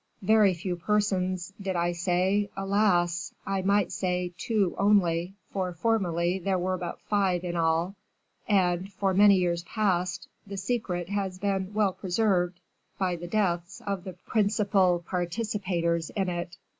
Very few persons, did I say, alas! I might say two only, for formerly there were but five in all, and, for many years past, the secret has been well preserved by the deaths of the principal participators in it.